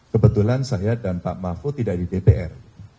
kebetulan saya dan pak mahfud tidak di dpr